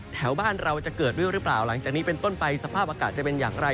แถวบ้านเราจะเกิดด้วยหรือเปล่าหลังจากนี้เป็นต้นไปสภาพอากาศจะเป็นอย่างไร